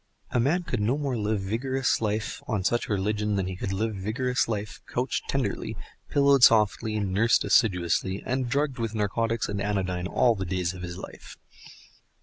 A man could no more live vigorous life on such religion than he could live vigorous life couched tenderly, pillowed softly, nursed assiduously, and drugged with narcotics and anodyne all the days of his life.